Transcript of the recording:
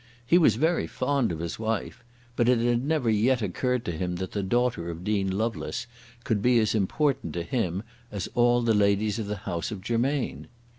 He was very fond of his wife; but it had never yet occurred to him that the daughter of Dean Lovelace could be as important to him as all the ladies of the house of Germain.